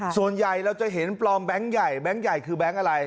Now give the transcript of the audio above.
ส่วนใหญ่เราจะเห็นปลอมแบงค์ใหญ่แบงค์ใหญ่คือแบงค์อะไร